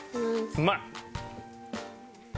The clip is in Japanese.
うまい！